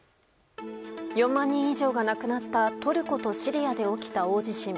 ４万人以上が亡くなったトルコとシリアで起きた大地震。